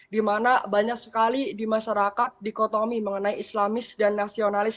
dimana banyak sekali di masyarakat dikotomi mengenai islamis dan nasionalis